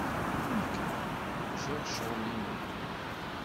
Nekk giɣ ccɣel-inu.